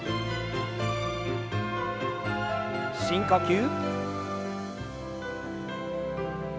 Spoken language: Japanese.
深呼吸。